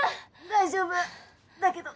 大丈夫だけど。